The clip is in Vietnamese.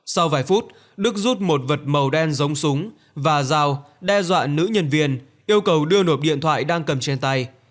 sau vài phút đức rút một vật màu đen giống súng và dao đe dọa nữ nhân viên yêu cầu đưa nộp điện thoại đang cầm trên tay